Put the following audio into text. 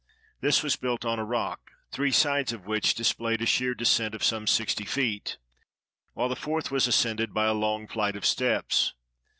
This was built on a rock, three sides of which displayed a sheer descent of some sixty feet, while the fourth was ascended by a long flight of steps.